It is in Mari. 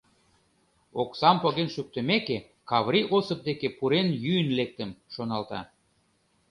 — Оксам поген шуктымеке, Каври Осып деке пурен йӱын лектым, — шоналта.